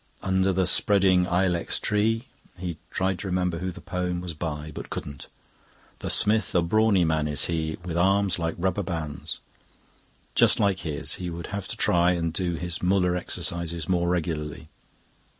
"Under the spreading ilex tree..." He tried to remember who the poem was by, but couldn't. "The smith, a brawny man is he, With arms like rubber bands." Just like his; he would have to try and do his Muller exercises more regularly.